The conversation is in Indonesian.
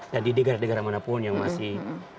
dan di negara negara mana pun yang masih